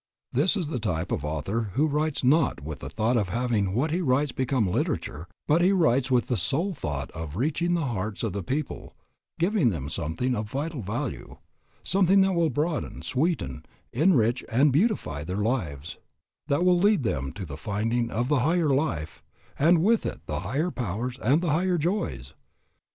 This is the type of author who writes not with the thought of having what he writes become literature, but he writes with the sole thought of reaching the hearts of the people, giving them something of vital value, something that will broaden, sweeten, enrich, and beautify their lives; that will lead them to the finding of the higher life and with it the higher powers and the higher joys.